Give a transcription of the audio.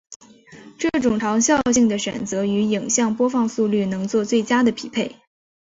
这种长效性的选择与影像播放速率能做最佳的匹配。